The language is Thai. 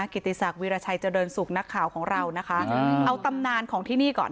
กิติศักดิราชัยเจริญสุขนักข่าวของเรานะคะเอาตำนานของที่นี่ก่อน